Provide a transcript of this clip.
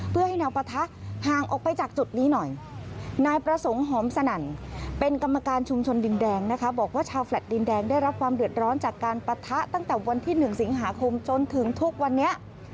ปรัฐะตั้งแต่วันที่๑สิงหาคมจนถึงทุกวันเนี่ย